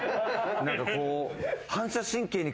何かこう。